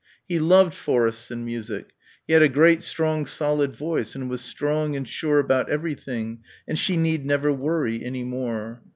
He loved forests and music. He had a great strong solid voice and was strong and sure about everything and she need never worry any more.